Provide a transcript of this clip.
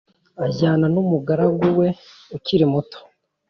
ajyana n umugaragu we ukiri muto